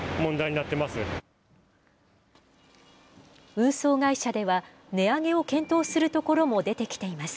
運送会社では、値上げを検討するところも出てきています。